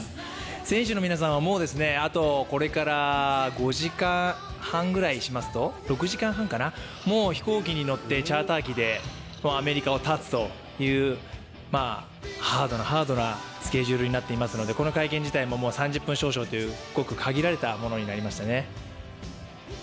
選手の皆さんは、これから６時間半ぐらいしますと、もう飛行機に乗ってチャーター機でアメリカをたつというハードなスケジュールになっていますのでこの会見自体も３０分少々という、ごく限られたものになりましたね。